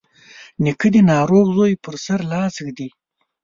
نیکه د ناروغ زوی پر سر لاس ږدي.